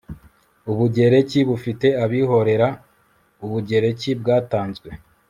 ubugereki bufite abihorera, ubugereki bwatanzwe